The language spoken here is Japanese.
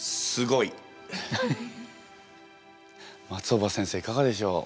松尾葉先生いかがでしょう？